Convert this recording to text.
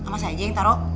masa aja yang taro